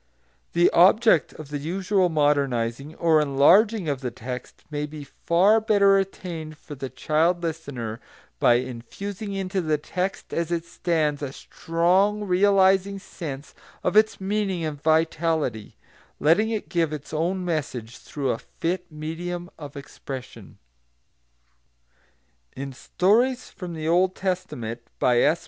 The object of the usual modernising or enlarging of the text may be far better attained for the child listener by infusing into the text as it stands a strong realising sense of its meaning and vitality, letting it give its own message through a fit medium of expression. [Footnote 1: Stories from the Old Testament, by S.